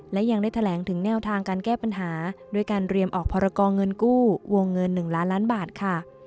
และยังได้แถลงถึงแนวทางการแก้ปัญหาด้วยการเรียมออกพรกรเงินกู้วงเงิน๑ล้านล้านบาทค่ะ